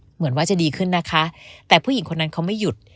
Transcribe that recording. เหมือนว่าจะดีขึ้นนะคะแต่ผู้หญิงคนนั้นเขาไม่หยุด